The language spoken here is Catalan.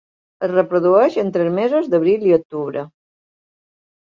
Es reprodueix entre els mesos d'abril i octubre.